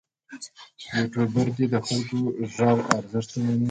یوټوبر دې د خلکو د غږ ارزښت ومني.